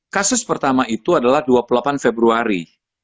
kasus pertama itu adalah dua puluh delapan februari